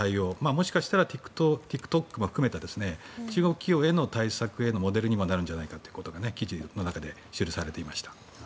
もしかしたらＴｉｋＴｏｋも含めて中国企業への対策へのモデルにもなるんじゃないかと記事の中で記されていました。